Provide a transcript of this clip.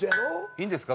いいんですか？